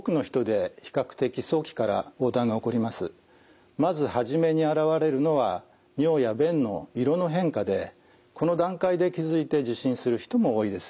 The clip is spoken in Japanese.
胆管がんではまず初めに現れるのは尿や便の色の変化でこの段階で気付いて受診する人も多いです。